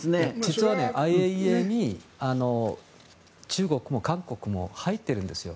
実は、ＩＡＥＡに中国も韓国も入ってるんですよ。